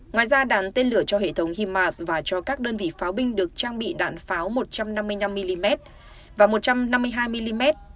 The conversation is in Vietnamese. ngoài ra đàn tên lửa cho hệ thống himas và cho các đơn vị pháo binh được trang bị đạn pháo một trăm năm mươi năm mm và một trăm năm mươi hai mm